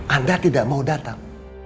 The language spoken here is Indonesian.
anda tidak mau datang